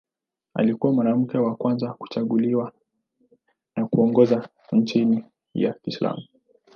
Alikuwa mwanamke wa kwanza kuchaguliwa na kuongoza nchi ya Kiislamu.